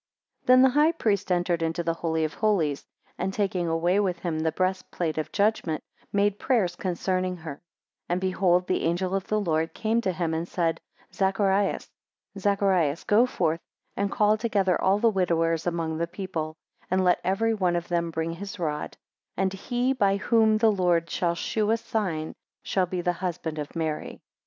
5 Then the high priest entered into the Holy of Holies, and taking away with him the breast plate of judgment made prayers concerning her; 6 And behold the angel of the Lord came to him, and said, Zacharias, Zacharias, Go forth and call together all the widowers among the people, and let every one of them bring his rod, and he by whom the Lord shall shew a sign shall be the husband of Mary.